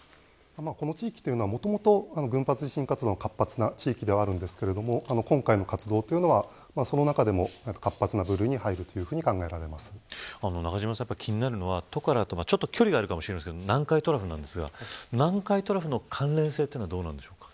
この地域はもともと群発地震の活発な地域ではあるんですが今回の活動はその中でも活発な部類に入ると中島さん、気になるのはトカラとは距離があるかもしれませんが南海トラフなんですが南海トラフの関連性はどうなんですか。